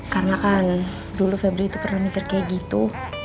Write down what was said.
karena kan dulu febri itu pernah mikir kayak gitu